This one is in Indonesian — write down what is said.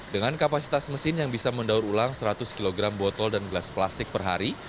dengan kapasitas mesin yang bisa mendaur ulang seratus kg botol dan gelas plastik per hari